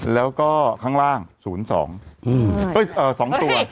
แล้วก็ข้างล่าง๐๒๒ตัว